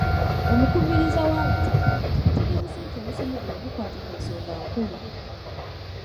Omukubiriza w’abataka, ategeezezza nti omusomo guno gukwata ku nsonga nkulu.